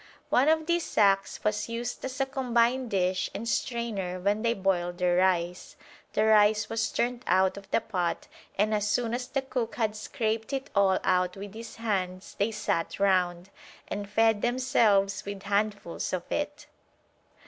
One of these sacks was used as a combined dish and strainer when they boiled their rice. The rice was turned out of the pot, and as soon as the cook had scraped it all out with his hands they sat round, and fed themselves with handfuls of it.